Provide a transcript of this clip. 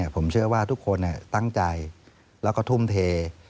ผมเชื่อว่าทุกคนตั้งใจแล้วก็ทุ่มเท